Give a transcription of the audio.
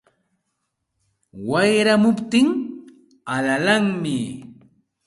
Wayramuptin alalanmi